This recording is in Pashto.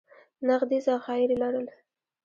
نغدي ذخایر یې لرل.